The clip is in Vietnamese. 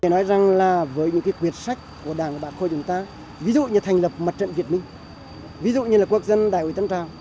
nói rằng là với những quyệt sách của đảng của bà khôi chúng ta ví dụ như thành lập mặt trận việt minh ví dụ như là quốc dân đại hội tân trang